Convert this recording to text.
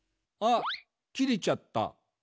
あっ切れちゃった。